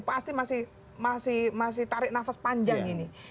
pasti masih tarik nafas panjang ini